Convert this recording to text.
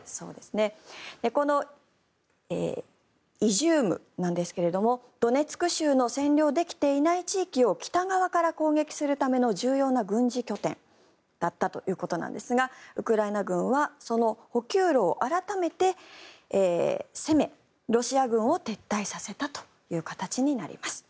このイジュームなんですがドネツク州の占領できていない地域を北側から攻撃するための重要な軍事拠点だったということなんですがウクライナ軍はその補給路を改めて攻めロシア軍を撤退させたという形になります。